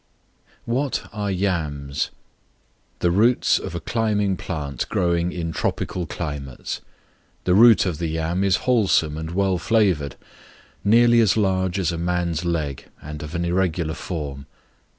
What are Yams? The roots of a climbing plant growing in tropical climates. The root of the yam is wholesome and well flavored; nearly as large as a man's leg, and of an irregular form.